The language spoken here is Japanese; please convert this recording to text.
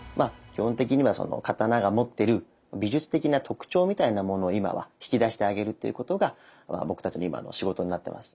基本的にはその刀が持ってる美術的な特徴みたいなものを今は引き出してあげるっていうことが僕たちの今の仕事になってます。